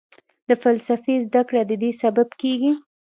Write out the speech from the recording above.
د فلسفې زده کړه ددې سبب کېږي.